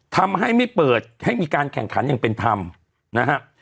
ทำให้ไม่เปิดให้มีการแข่งขันอย่างเป็นธรรมนะฮะ